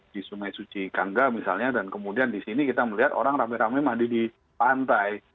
di sungai suci kangga misalnya dan kemudian di sini kita melihat orang rame rame mandi di pantai